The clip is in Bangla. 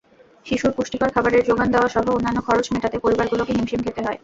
শিশুর পুষ্টিকর খাবারের জোগান দেওয়াসহ অন্যান্য খরচ মেটাতে পরিবারগুলোকে হিমশিম খেতে হয়।